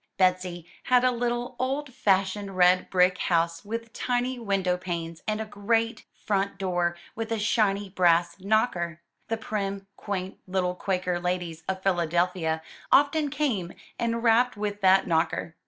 Betsy had a little, old fashioned, red brick house, with tiny window panes and a great front door with a shiny brass knocker. The prim, quaint, little Quaker ladies of Philadelphia often came and rapped with that knocker.